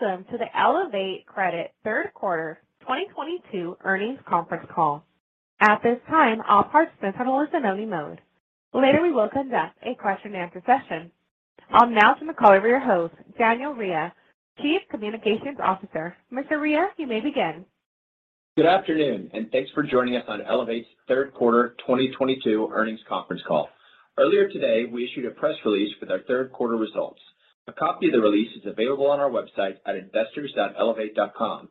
Welcome to the Elevate Credit Third Quarter 2022 Earnings Conference Call. At this time, all participants are in listen-only mode. Later, we will conduct a question-and-answer session. I'll now turn the call over to your host, Daniel Rhea, Chief Communications Officer. Mr. Rhea, you may begin. Good afternoon, and thanks for joining us on Elevate's Third Quarter 2022 Earnings Conference Call. Earlier today, we issued a press release with our third quarter results. A copy of the release is available on our website at investors.elevate.com.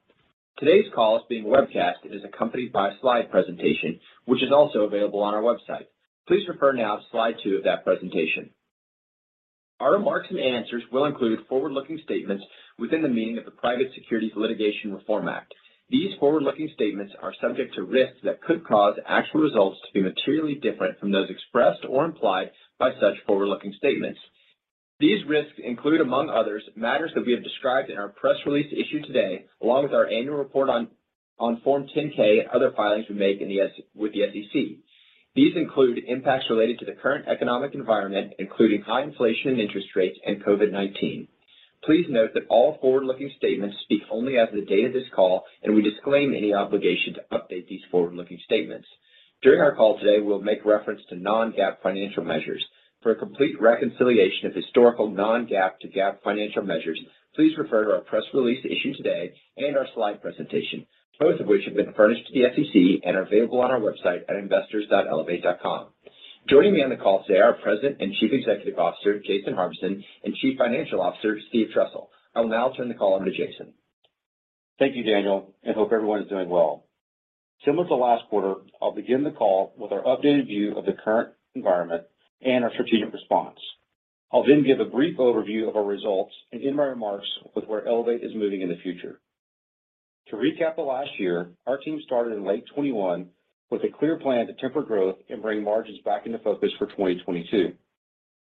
Today's call is being webcast and is accompanied by a slide presentation, which is also available on our website. Please refer now to slide two of that presentation. Our remarks and answers will include forward-looking statements within the meaning of the Private Securities Litigation Reform Act. These forward-looking statements are subject to risks that could cause actual results to be materially different from those expressed or implied by such forward-looking statements. These risks include, among others, matters that we have described in our press release issued today, along with our annual report on Form 10-K and other filings we make with the SEC. These include impacts related to the current economic environment, including high inflation and interest rates and COVID-19. Please note that all forward-looking statements speak only as of the date of this call, and we disclaim any obligation to update these forward-looking statements. During our call today, we'll make reference to non-GAAP financial measures. For a complete reconciliation of historical non-GAAP to GAAP financial measures, please refer to our press release issued today and our slide presentation, both of which have been furnished to the SEC and are available on our website at investors.elevate.com. Joining me on the call today are President and Chief Executive Officer, Jason Harvison and Chief Financial Officer, Steve Trussell. I will now turn the call over to Jason. Thank you, Daniel, and hope everyone is doing well. Similar to last quarter, I'll begin the call with our updated view of the current environment and our strategic response. I'll then give a brief overview of our results and end my remarks with where Elevate is moving in the future. To recap the last year, our team started in late 2021 with a clear plan to temper growth and bring margins back into focus for 2022.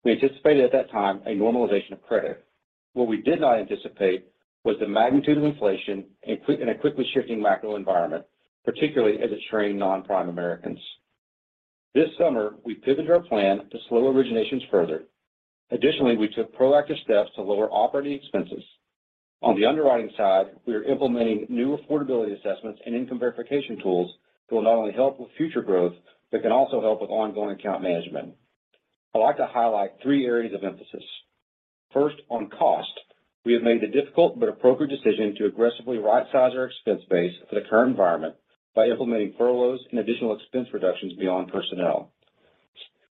We anticipated at that time a normalization of credit. What we did not anticipate was the magnitude of inflation in a quickly shifting macro environment, particularly as it strained non-prime Americans. This summer, we pivoted our plan to slow originations further. Additionally, we took proactive steps to lower operating expenses. On the underwriting side, we are implementing new affordability assessments and income verification tools that will not only help with future growth, but can also help with ongoing account management. I'd like to highlight three areas of emphasis. First, on cost. We have made the difficult but appropriate decision to aggressively right-size our expense base for the current environment by implementing furloughs and additional expense reductions beyond personnel.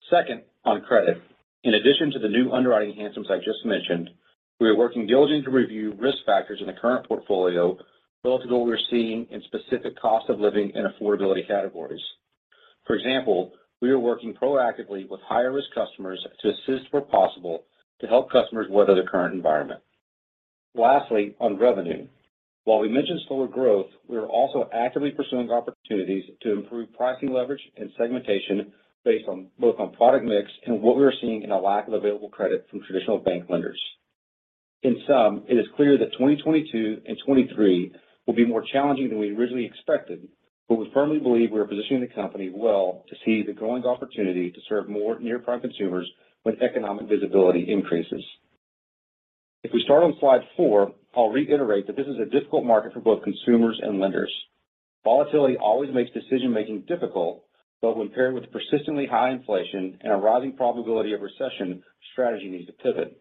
Second, on credit. In addition to the new underwriting enhancements I just mentioned, we are working diligently to review risk factors in the current portfolio relative to what we're seeing in specific cost of living and affordability categories. For example, we are working proactively with higher-risk customers to assist where possible to help customers weather the current environment. Lastly, on revenue. While we mentioned slower growth, we are also actively pursuing opportunities to improve pricing leverage and segmentation based on both on product mix and what we are seeing in a lack of available credit from traditional bank lenders. In sum, it is clear that 2022 and 2023 will be more challenging than we originally expected, but we firmly believe we are positioning the company well to see the growing opportunity to serve more near-prime consumers when economic visibility increases. If we start on slide four, I'll reiterate that this is a difficult market for both consumers and lenders. Volatility always makes decision-making difficult, but when paired with persistently high inflation and a rising probability of recession, strategy needs to pivot.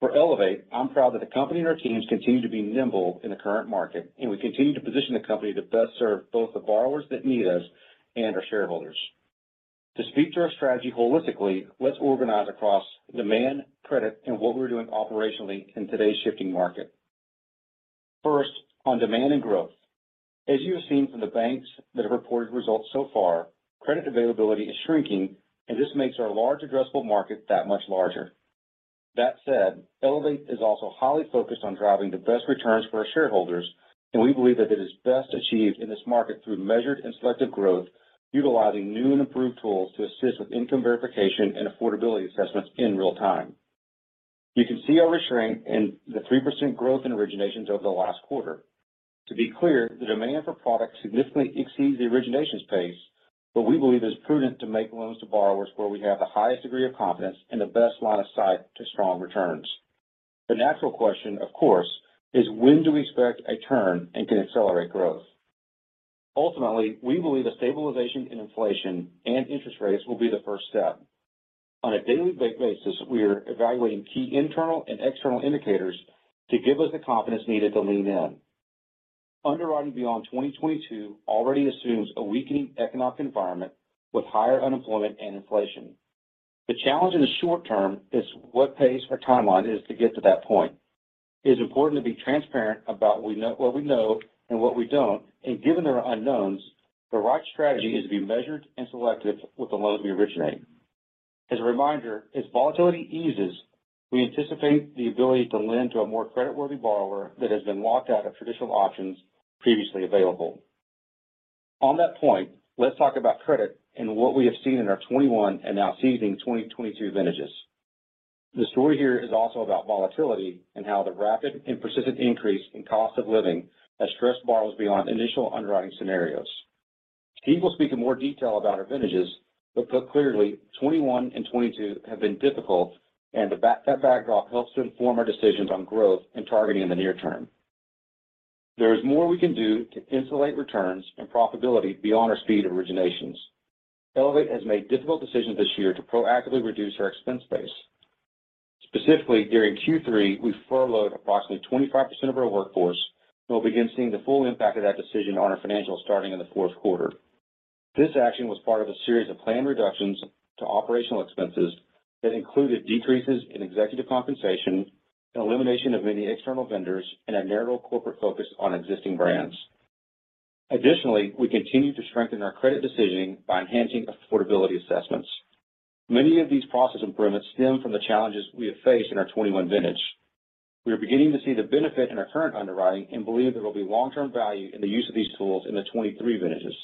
For Elevate, I'm proud that the company and our teams continue to be nimble in the current market, and we continue to position the company to best serve both the borrowers that need us and our shareholders. To speak to our strategy holistically, let's organize across demand, credit, and what we're doing operationally in today's shifting market. First, on demand and growth. As you have seen from the banks that have reported results so far, credit availability is shrinking, and this makes our large addressable market that much larger. That said, Elevate is also highly focused on driving the best returns for our shareholders, and we believe that it is best achieved in this market through measured and selective growth, utilizing new and improved tools to assist with income verification and affordability assessments in real-time. You can see our restraint in the 3% growth in originations over the last quarter. To be clear, the demand for product significantly exceeds the originations pace, but we believe it is prudent to make loans to borrowers where we have the highest degree of confidence and the best line of sight to strong returns. The natural question, of course, is when do we expect a turn and can accelerate growth? Ultimately, we believe a stabilization in inflation and interest rates will be the first step. On a daily basis, we are evaluating key internal and external indicators to give us the confidence needed to lean in. Underwriting beyond 2022 already assumes a weakening economic environment with higher unemployment and inflation. The challenge in the short term is what pace or timeline is to get to that point. It is important to be transparent about what we know and what we don't. Given there are unknowns, the right strategy is to be measured and selective with the loans we originate. As a reminder, as volatility eases, we anticipate the ability to lend to a more creditworthy borrower that has been locked out of traditional options previously available. On that point, let's talk about credit and what we have seen in our 2021 and now seasoning 2022 vintages. The story here is also about volatility and how the rapid and persistent increase in cost of living has stressed borrowers beyond initial underwriting scenarios. Steve will speak in more detail about our vintages, but put clearly, 2021 and 2022 have been difficult and that backdrop helps to inform our decisions on growth and targeting in the near term. There is more we can do to insulate returns and profitability beyond our speed of originations. Elevate has made difficult decisions this year to proactively reduce our expense base. Specifically, during Q3, we furloughed approximately 25% of our workforce and we'll begin seeing the full impact of that decision on our financials starting in the fourth quarter. This action was part of a series of planned reductions to operational expenses that included decreases in executive compensation and elimination of many external vendors and a narrow corporate focus on existing brands. Additionally, we continue to strengthen our credit decisioning by enhancing affordability assessments. Many of these process improvements stem from the challenges we have faced in our 2021 vintage. We are beginning to see the benefit in our current underwriting and believe there will be long-term value in the use of these tools in the 2023 vintages.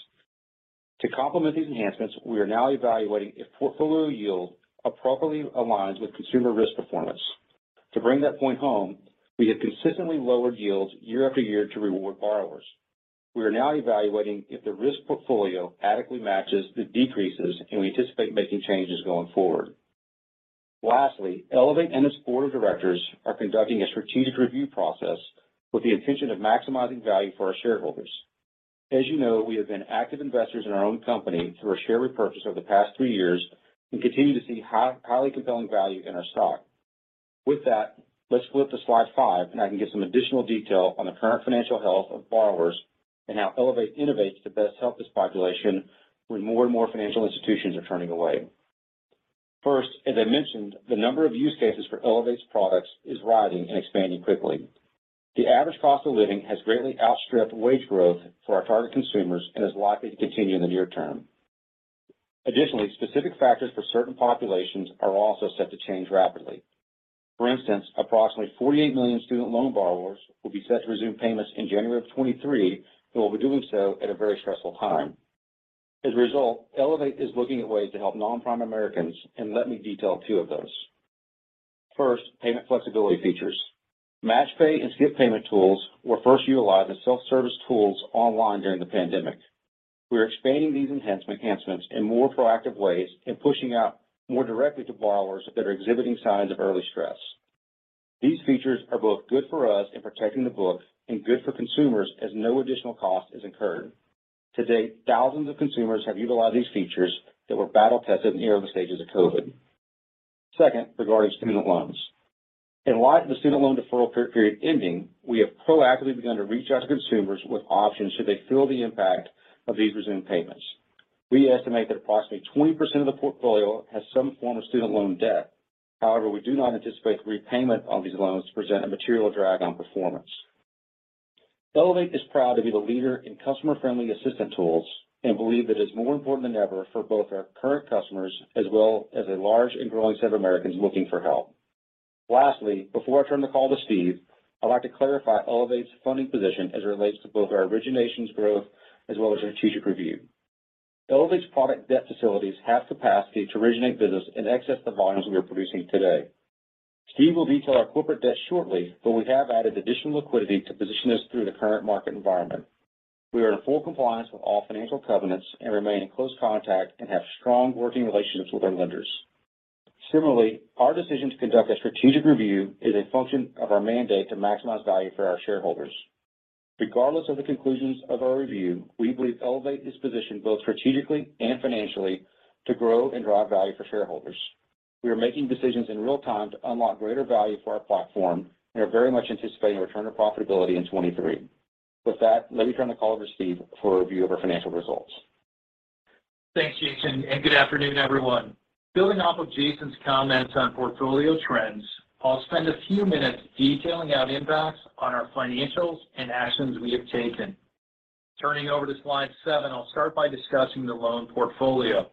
To complement these enhancements, we are now evaluating if portfolio yield appropriately aligns with consumer risk performance. To bring that point home, we have consistently lowered yields year after year to reward borrowers. We are now evaluating if the risk portfolio adequately matches the decreases, and we anticipate making changes going forward. Lastly, Elevate and its board of directors are conducting a strategic review process with the intention of maximizing value for our shareholders. As you know, we have been active investors in our own company through our share repurchase over the past three years and continue to see highly compelling value in our stock. With that, let's flip to slide five, and I can give some additional detail on the current financial health of borrowers and how Elevate innovates to best help this population when more and more financial institutions are turning away. First, as I mentioned, the number of use cases for Elevate's products is rising and expanding quickly. The average cost of living has greatly outstripped wage growth for our target consumers and is likely to continue in the near term. Additionally, specific factors for certain populations are also set to change rapidly. For instance, approximately 48 million student loan borrowers will be set to resume payments in January 2023 and will be doing so at a very stressful time. As a result, Elevate is looking at ways to help non-prime Americans, and let me detail two of those. First, payment flexibility features. Match pay and skip payment tools were first utilized as self-service tools online during the pandemic. We are expanding these enhancements in more proactive ways and pushing out more directly to borrowers that are exhibiting signs of early stress. These features are both good for us in protecting the book and good for consumers as no additional cost is incurred. To date, thousands of consumers have utilized these features that were battle-tested in the early stages of COVID. Second, regarding student loans. In light of the student loan deferral period ending, we have proactively begun to reach out to consumers with options should they feel the impact of these resumed payments. We estimate that approximately 20% of the portfolio has some form of student loan debt. However, we do not anticipate the repayment of these loans to present a material drag on performance. Elevate is proud to be the leader in customer-friendly assistant tools and believe that it's more important than ever for both our current customers as well as a large and growing set of Americans looking for help. Lastly, before I turn the call to Steve, I'd like to clarify Elevate's funding position as it relates to both our originations growth as well as our strategic review. Elevate's product debt facilities have capacity to originate business in excess of the volumes we are producing today. Steve will detail our corporate debt shortly, but we have added additional liquidity to position us through the current market environment. We are in full compliance with all financial covenants and remain in close contact and have strong working relationships with our lenders. Similarly, our decision to conduct a strategic review is a function of our mandate to maximize value for our shareholders. Regardless of the conclusions of our review, we believe Elevate is positioned both strategically and financially to grow and drive value for shareholders. We are making decisions in real time to unlock greater value for our platform and are very much anticipating a return to profitability in 2023. With that, let me turn the call over to Steve for a review of our financial results. Thanks, Jason, and good afternoon, everyone. Building off of Jason's comments on portfolio trends, I'll spend a few minutes detailing out impacts on our financials and actions we have taken. Turning over to slide seven, I'll start by discussing the loan portfolio.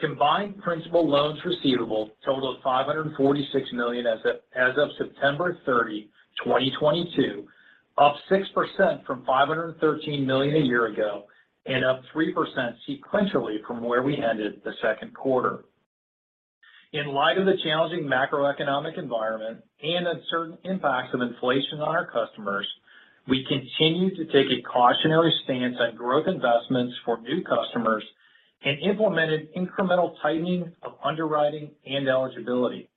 Combined principal loans receivable totaled $546 million as of September 30, 2022, up 6% from $513 million a year ago and up 3% sequentially from where we ended the second quarter. In light of the challenging macroeconomic environment and uncertain impacts of inflation on our customers, we continue to take a cautionary stance on growth investments for new customers and implemented incremental tightening of underwriting and eligibility.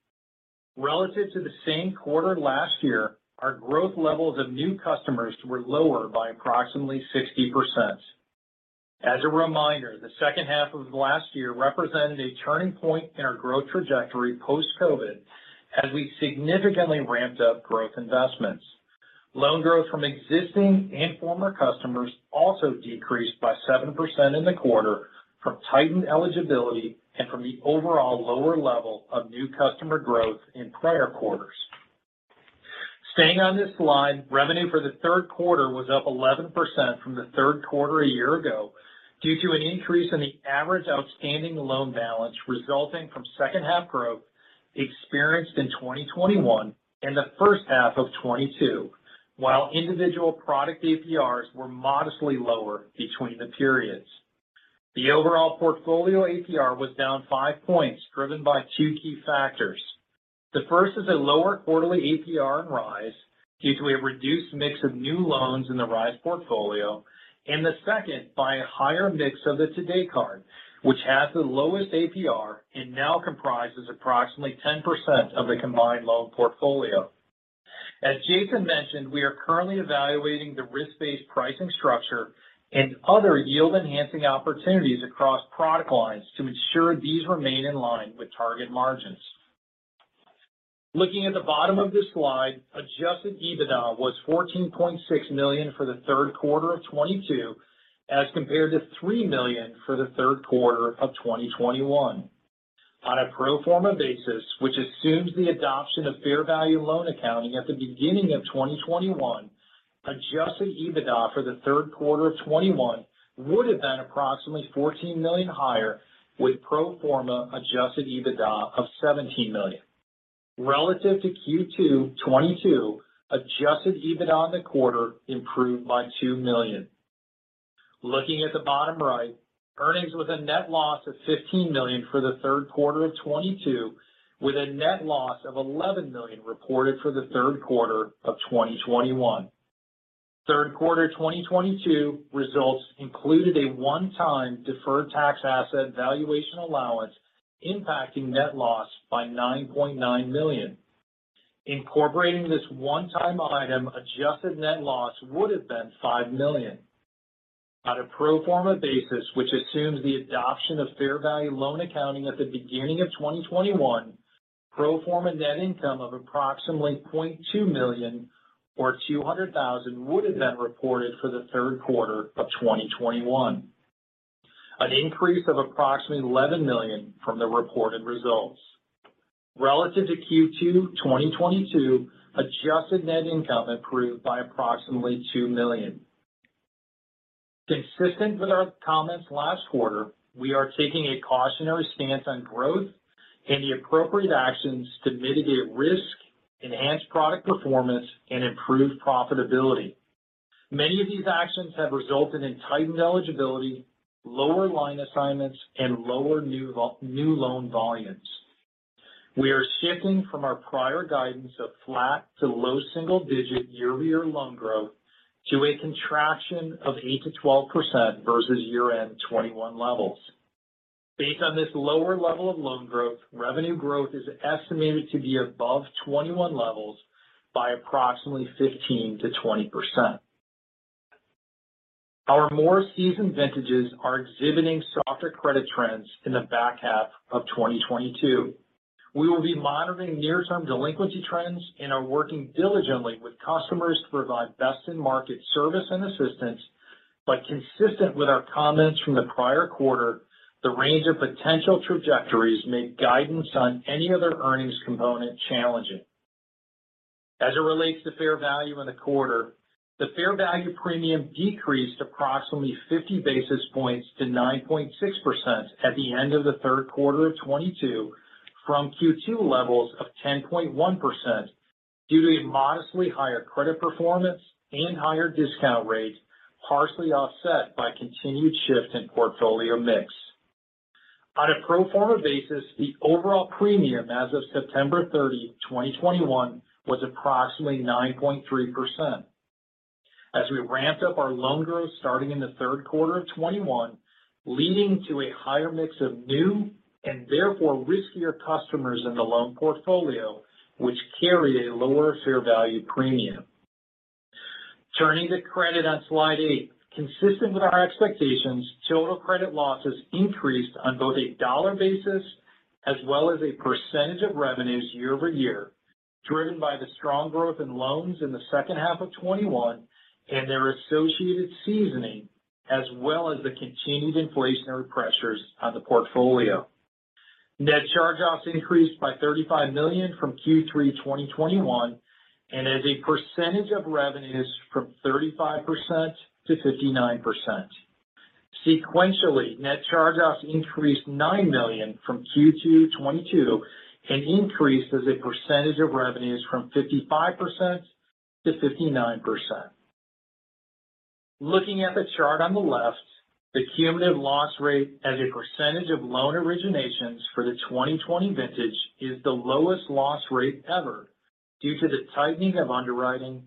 Relative to the same quarter last year, our growth levels of new customers were lower by approximately 60%. As a reminder, the second half of last year represented a turning point in our growth trajectory post-COVID as we significantly ramped up growth investments. Loan growth from existing and former customers also decreased by 7% in the quarter from tightened eligibility and from the overall lower level of new customer growth in prior quarters. Staying on this slide, revenue for the third quarter was up 11% from the third quarter a year ago due to an increase in the average outstanding loan balance resulting from second half growth experienced in 2021 and the first half of 2022. While individual product APRs were modestly lower between the periods. The overall portfolio APR was down five points, driven by two key factors. The first is a lower quarterly APR in RISE due to a reduced mix of new loans in the RISE portfolio, and the second by a higher mix of the Today Card, which has the lowest APR and now comprises approximately 10% of the combined loan portfolio. As Jason mentioned, we are currently evaluating the risk-based pricing structure and other yield-enhancing opportunities across product lines to ensure these remain in line with target margins. Looking at the bottom of this slide, adjusted EBITDA was $14.6 million for the third quarter of 2022, as compared to $3 million for the third quarter of 2021. On a pro forma basis, which assumes the adoption of fair value loan accounting at the beginning of 2021, adjusted EBITDA for the third quarter of 2021 would have been approximately $14 million higher with pro forma adjusted EBITDA of $17 million. Relative to Q2 2022, adjusted EBITDA in the quarter improved by $2 million. Looking at the bottom right, earnings with a net loss of $15 million for the third quarter of 2022, with a net loss of $11 million reported for the third quarter of 2021. Third quarter 2022 results included a one-time deferred tax asset valuation allowance impacting net loss by $9.9 million. Incorporating this one-time item, adjusted net loss would have been $5 million. On a pro forma basis, which assumes the adoption of fair value loan accounting at the beginning of 2021, pro forma net income of approximately $0.2 million or $200,000 would have been reported for the third quarter of 2021. An increase of approximately $11 million from the reported results. Relative to Q2 2022, adjusted net income improved by approximately $2 million. Consistent with our comments last quarter, we are taking a cautionary stance on growth and the appropriate actions to mitigate risk, enhance product performance, and improve profitability. Many of these actions have resulted in tightened eligibility, lower line assignments, and lower new loan volumes. We are shifting from our prior guidance of flat to low single-digit year-over-year loan growth to a contraction of 8%-12% versus year-end 2021 levels. Based on this lower level of loan growth, revenue growth is estimated to be above 21 levels by approximately 15%-20%. Our more seasoned vintages are exhibiting softer credit trends in the back half of 2022. We will be monitoring near-term delinquency trends and are working diligently with customers to provide best-in-market service and assistance, but consistent with our comments from the prior quarter, the range of potential trajectories make guidance on any other earnings component challenging. As it relates to fair value in the quarter, the fair value premium decreased approximately 50 basis points to 9.6% at the end of the third quarter of 2022 from Q2 levels of 10.1% due to a modestly higher credit performance and higher discount rates, partially offset by continued shift in portfolio mix. On a pro forma basis, the overall premium as of September 30, 2021 was approximately 9.3%. As we ramped up our loan growth starting in the third quarter of 2021, leading to a higher mix of new and therefore riskier customers in the loan portfolio, which carry a lower fair value premium. Turning to credit on slide eight. Consistent with our expectations, total credit losses increased on both a dollar basis as well as a percentage of revenues year-over-year, driven by the strong growth in loans in the second half of 2021 and their associated seasoning, as well as the continued inflationary pressures on the portfolio. Net charge-offs increased by $35 million from Q3 2021 and as a percentage of revenues from 35% to 59%. Sequentially, net charge-offs increased $9 million from Q2 2022 and increased as a percentage of revenues from 55% to 59%. Looking at the chart on the left, the cumulative loss rate as a percentage of loan originations for the 2020 vintage is the lowest loss rate ever due to the tightening of underwriting,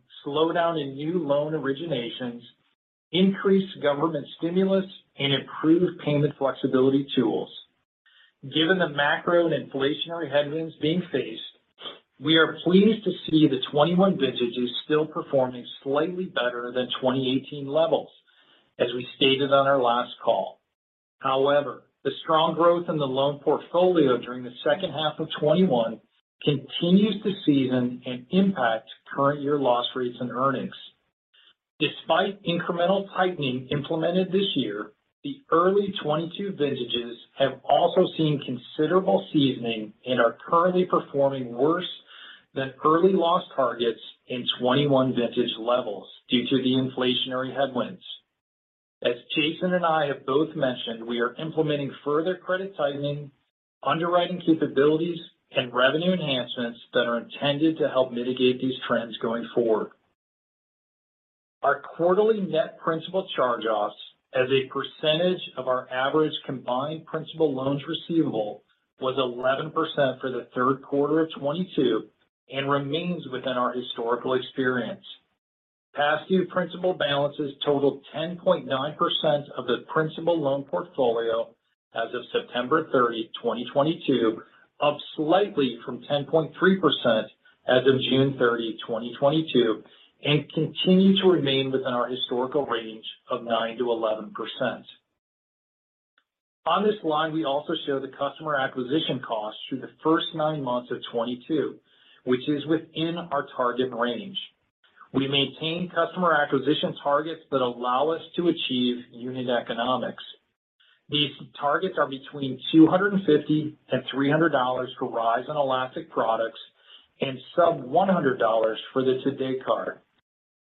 slowdown in new loan originations, increased government stimulus, and improved payment flexibility tools. Given the macro and inflationary headwinds being faced, we are pleased to see the 2021 vintages still performing slightly better than 2018 levels, as we stated on our last call. However, the strong growth in the loan portfolio during the second half of 2021 continues to season and impact current year loss rates and earnings. Despite incremental tightening implemented this year, the early 2022 vintages have also seen considerable seasoning and are currently performing worse than early loss targets in 2021 vintage levels due to the inflationary headwinds. As Jason and I have both mentioned, we are implementing further credit tightening, underwriting capabilities, and revenue enhancements that are intended to help mitigate these trends going forward. Our quarterly net principal charge-offs as a percentage of our average combined principal loans receivable was 11% for the third quarter of 2022, and remains within our historical experience. Past due principal balances totaled 10.9% of the principal loan portfolio as of September 30, 2022, up slightly from 10.3% as of June 30, 2022, and continue to remain within our historical range of 9%-11%. On this slide, we also show the customer acquisition costs through the first nine months of 2022, which is within our target range. We maintain customer acquisition targets that allow us to achieve unit economics. These targets are between $250-$300 for RISE and Elastic products and sub $100 for the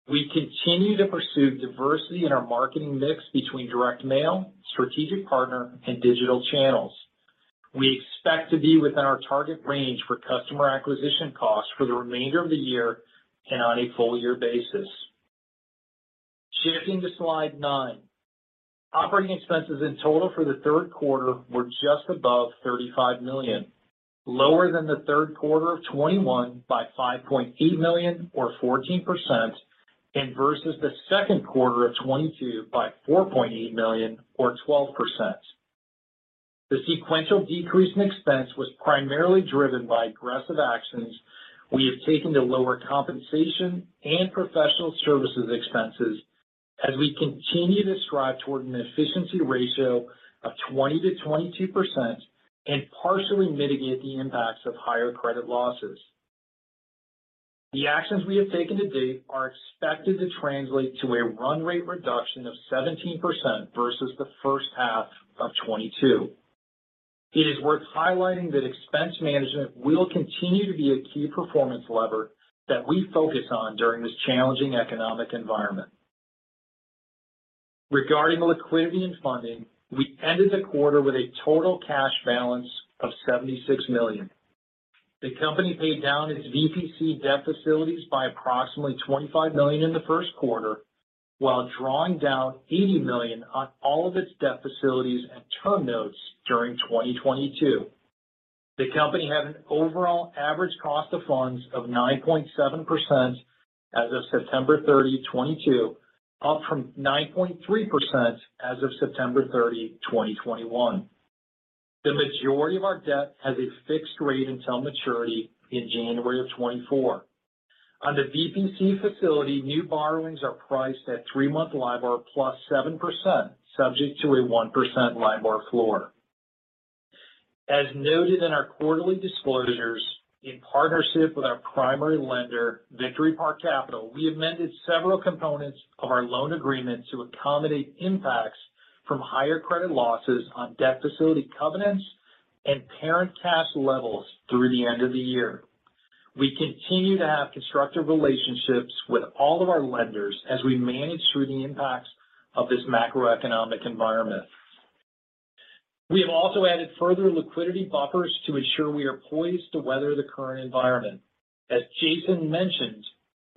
Today Card. We continue to pursue diversity in our marketing mix between direct mail, strategic partner, and digital channels. We expect to be within our target range for customer acquisition costs for the remainder of the year and on a full year basis. Shifting to slide nine. Operating expenses in total for the third quarter were just above $35 million, lower than the third quarter of 2021 by $5.8 million or 14%, and versus the second quarter of 2022 by $4.8 million or 12%. The sequential decrease in expense was primarily driven by aggressive actions we have taken to lower compensation and professional services expenses as we continue to strive toward an efficiency ratio of 20%-22% and partially mitigate the impacts of higher credit losses. The actions we have taken to date are expected to translate to a run rate reduction of 17% versus the first half of 2022. It is worth highlighting that expense management will continue to be a key performance lever that we focus on during this challenging economic environment. Regarding liquidity and funding, we ended the quarter with a total cash balance of $76 million. The company paid down its VPC debt facilities by approximately $25 million in the first quarter, while drawing down $80 million on all of its debt facilities and term notes during 2022. The company had an overall average cost of funds of 9.7% as of September 30, 2022, up from 9.3% as of September 30, 2021. The majority of our debt has a fixed rate until maturity in January 2024. On the VPC facility, new borrowings are priced at three-month LIBOR plus 7% subject to a 1% LIBOR floor. As noted in our quarterly disclosures, in partnership with our primary lender, Victory Park Capital, we amended several components of our loan agreement to accommodate impacts from higher credit losses on debt facility covenants and parent cash levels through the end of the year. We continue to have constructive relationships with all of our lenders as we manage through the impacts of this macroeconomic environment. We have also added further liquidity buffers to ensure we are poised to weather the current environment. As Jason mentioned,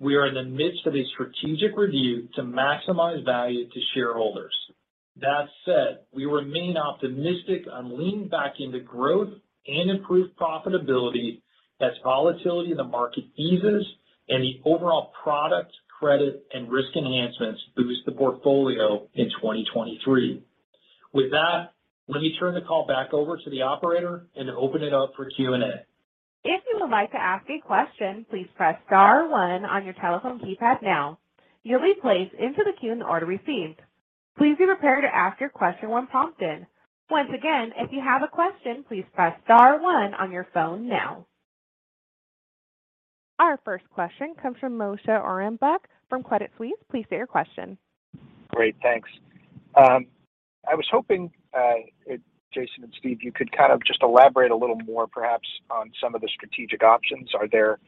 we are in the midst of a strategic review to maximize value to shareholders. That said, we remain optimistic on leaning back into growth and improved profitability as volatility in the market eases and the overall product credit and risk enhancements boost the portfolio in 2023. With that, let me turn the call back over to the operator and open it up for Q&A. If you would like to ask a question, please press star one on your telephone keypad now. You'll be placed into the queue in the order received. Please be prepared to ask your question when prompted. Once again, if you have a question, please press star one on your phone now. Our first question comes from Moshe Orenbuch from Credit Suisse. Please state your question. Great. Thanks. I was hoping, Jason and Steve, you could kind of just elaborate a little more perhaps on some of the strategic options. Are there,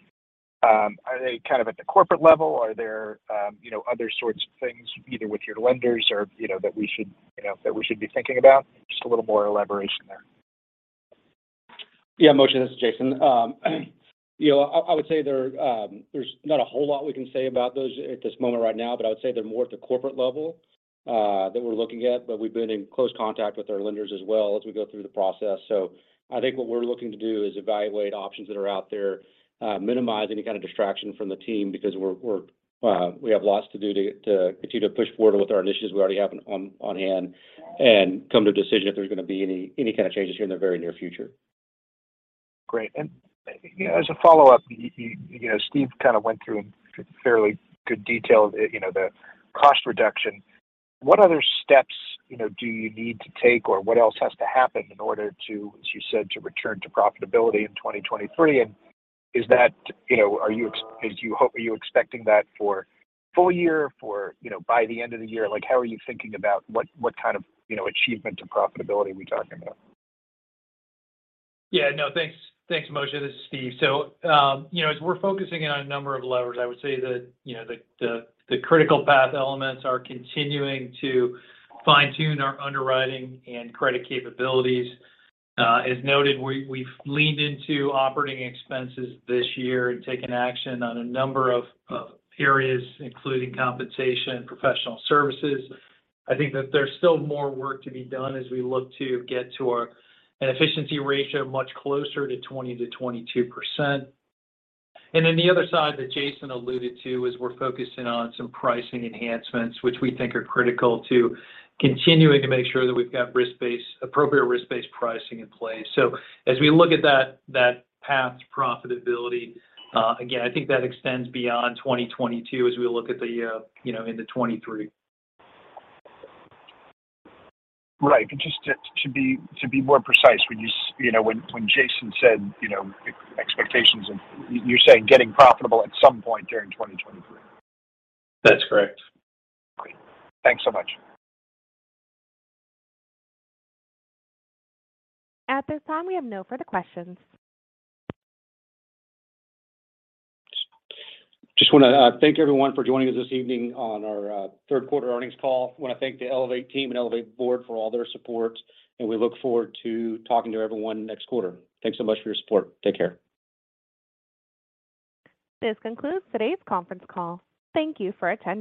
are they kind of at the corporate level? Are there, you know, other sorts of things, either with your lenders or, you know, that we should, you know, that we should be thinking about? Just a little more elaboration there. Yeah, Moshe, this is Jason. You know, I would say there's not a whole lot we can say about those at this moment right now, but I would say they're more at the corporate level that we're looking at. We've been in close contact with our lenders as well as we go through the process. I think what we're looking to do is evaluate options that are out there, minimize any kind of distraction from the team because we have lots to do to continue to push forward with our initiatives we already have on hand and come to a decision if there's gonna be any kind of changes here in the very near future. Great. You know, as a follow-up, you know, Steve kind of went through in fairly good detail, you know, the cost reduction. What other steps, you know, do you need to take, or what else has to happen in order to, as you said, to return to profitability in 2023? Is that, you know, are you expecting that for full year, for, you know, by the end of the year? Like, how are you thinking about what kind of, you know, achievement to profitability are we talking about? Yeah. No. Thanks. Thanks, Moshe. This is Steve. You know, as we're focusing on a number of levers, I would say that, you know, the critical path elements are continuing to fine-tune our underwriting and credit capabilities. As noted, we've leaned into operating expenses this year and taken action on a number of areas, including compensation and professional services. I think that there's still more work to be done as we look to get to an efficiency ratio much closer to 20%-22%. Then the other side that Jason alluded to is we're focusing on some pricing enhancements, which we think are critical to continuing to make sure that we've got appropriate risk-based pricing in place. As we look at that path to profitability, again, I think that extends beyond 2022 as we look at the, you know, into 2023. Right. Just to be more precise, when you know, when Jason said, you know, expectations and you're saying getting profitable at some point during 2023? That's correct. Great. Thanks so much. At this time, we have no further questions. Just wanna thank everyone for joining us this evening on our third quarter earnings call. Wanna thank the Elevate team and Elevate Board for all their support, and we look forward to talking to everyone next quarter. Thanks so much for your support. Take care. This concludes today's conference call. Thank you for attending.